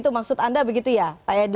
maksud anda begitu ya pak yadi